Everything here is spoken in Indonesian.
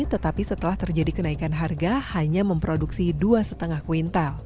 tetapi setelah terjadi kenaikan harga hanya memproduksi dua lima kuintal